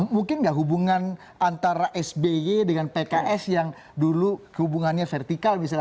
mungkin nggak hubungan antara sby dengan pks yang dulu hubungannya vertikal misalnya